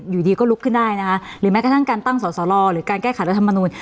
อยู่ดีก็ลุกขึ้นได้นะคะหรือแม้กระทั่งการตั้งสอสรหรือการแก้ไขรัฐมนูล